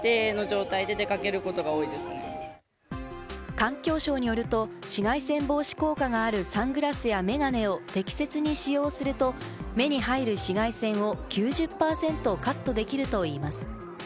環境省によると、紫外線防止効果があるサングラスや眼鏡を適切に使用すると、目に入る紫外線を９０％カットできるといいます。